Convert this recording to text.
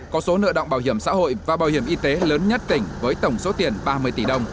có số nợ động bảo hiểm xã hội và bảo hiểm y tế lớn nhất tỉnh với tổng số tiền ba mươi tỷ đồng